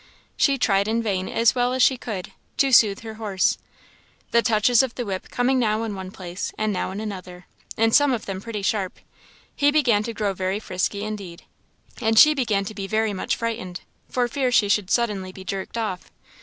She tried in vain, as well as she could, to soothe her horse; the touches of the whip coming now in one place, and now in another, and some of them pretty sharp, he began to grow very frisky indeed; and she began to be very much frightened, for fear she should suddenly be jerked off.